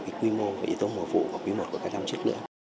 thì quy mô và y tố hợp vụ của quý i của các năm trước nữa